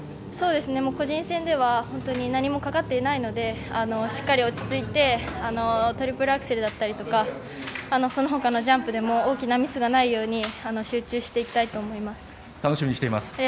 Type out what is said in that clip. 個人戦では何もかかっていないのでしっかり落ち着いてトリプルアクセルだったりとかその他のジャンプでも大きなミスがないように集中していきたいと思います。